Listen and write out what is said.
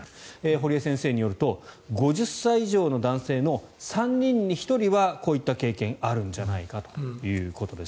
堀江先生によると５０歳以上の男性の３人に１人はこういった経験があるんじゃないかということです。